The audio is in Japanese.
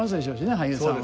俳優さんは。